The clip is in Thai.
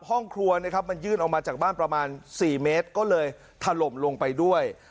ห้องครัวนะครับมันยื่นออกมาจากบ้านประมาณ๔เมตรก็เลยถล่มลงไปด้วย